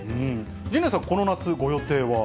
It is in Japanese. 陣内さん、この夏、ご予定は？